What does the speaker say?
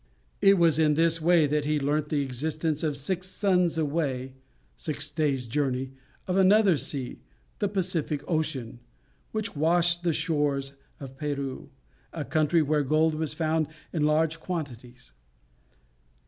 It was in this way that he learnt the existence six suns away (six days' journey), of another sea, the Pacific Ocean, which washed the shores of Peru, a country where gold was found in large quantities.